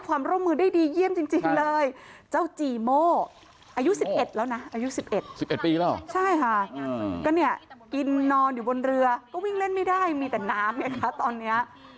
ก็เนี่ยกินนอนอยู่บนเรือก็วิ่งเล่นไม่ได้มีแต่น้ำเนี่ยค่ะตอนเนี้ย